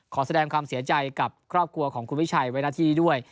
ขอแสดงความเสียใจกับครอบครัวของคุณวิชัยไว้หน้าที่ด้วย